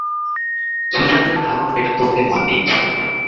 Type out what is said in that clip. সুজানের ধারণা এটা তোমাকে মানিয়েছে।